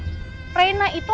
aku tuh lagi ngebelain kamu loh